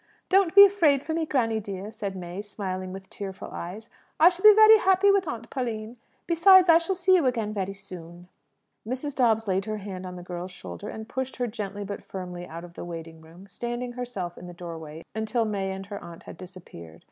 "Don't be afraid for me, granny dear!" said May, smiling with tearful eyes. "I shall be very happy with Aunt Pauline. Besides, I shall see you again very soon." Mrs. Dobbs laid her hand on the girl's shoulder and pushed her gently, but firmly, out of the waiting room, standing herself in the doorway until May and her aunt had disappeared.